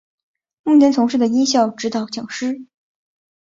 目前从事的音效指导讲师。